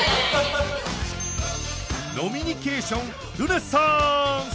飲みニケーションルネッサーンス！